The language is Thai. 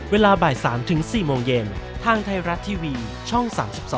เวลาบ่าย๓๔โมงเย็นทางไทยรัฐทีวีช่อง๓๒